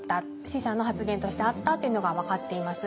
使者の発言としてあったっていうのが分かっています。